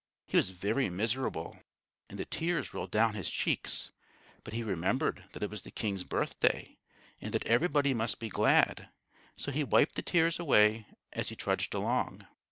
He was very miserable, and the tears rolled down his cheeks; but he remembered that it was the king's birthday, and that everybody must be glad, so he wiped the tears away as he trudged along.